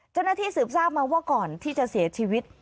เจ้าหน้าที่สืบทราบมาว่าก่อนที่จะเสียชีวิต